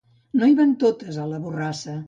No hi van totes, a la borrassa.